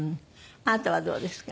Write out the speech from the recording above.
あなたはどうですか？